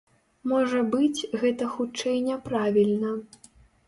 Можа быць, гэта хутчэй няправільна.